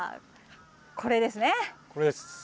これですね。